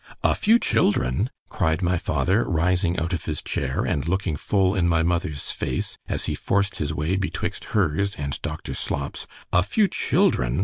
——A few children! cried my father, rising out of his chair, and looking full in my mother's face, as he forced his way betwixt her's and doctor Slop's—a few children!